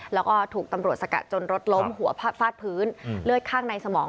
แล้วก็ถูกตำรวจสกัดจนรถล้มหัวฟาดพื้นเลือดข้างในสมอง